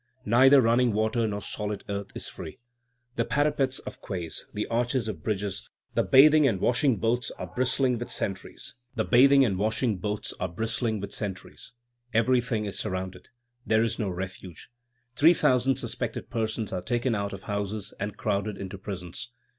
Neither running water nor solid earth is free. The parapets of quays, the arches of bridges, the bathing and washing boats are bristling with sentries. Everything is surrounded. There is no refuge. Three thousand suspected persons are taken out of houses, and crowded into prisons.